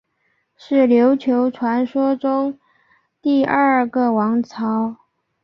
是琉球传说中第二个王朝。